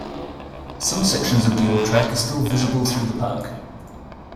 Some sections of the old track are still visible through the park.